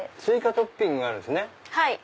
追加トッピングがあるんですね。